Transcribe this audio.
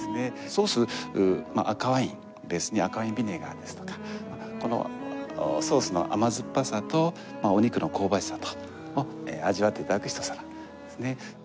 ソース赤ワインをベースに赤ワインビネガーですとかこのソースの甘酸っぱさとお肉の香ばしさを味わって頂くひと皿ですね。